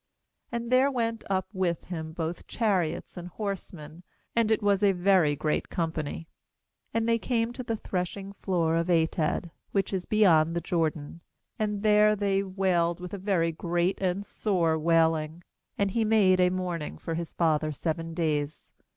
9And there went up with him both chariots and horsemen; and it was a very great company. 10Ancl they came to the threshing floor of Atad, which is beyond the Jordan, and there they wailed with a very great and sore wailing; and he made a mourning for his father seven days.